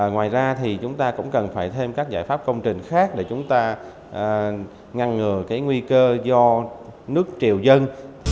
ngoài ra thì chúng ta cũng cần phải thêm các giải pháp công trình khác để chúng ta ngăn ngừa cái nguy cơ do nước triều dân